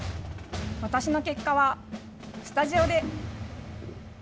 私の結果は、スタジオで。